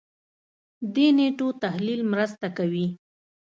دې نېټو تحلیل مرسته کوي.